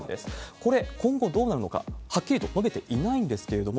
これ、今後どうなるのか、はっきりと述べていないんですけれども、